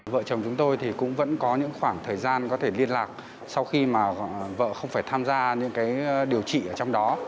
vợ chồng chúng tôi thì cũng vẫn có những khoảng thời gian có thể liên lạc sau khi mà vợ không phải tham gia những cái điều trị ở trong đó